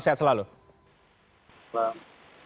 sehat selalu selamat malam